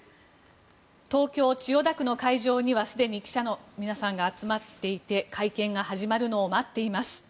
東京・千代田区の会場にはすでに記者の皆さんが集まっていて会見が始まるのを待っています。